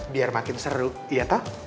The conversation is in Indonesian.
biar makin seru iya toh